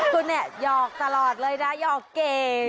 คุณเนี่ยหยอกตลอดเลยนะหยอกเก๋